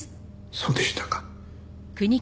そうでしたか。